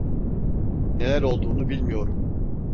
Neler olduğunu bilmiyorum.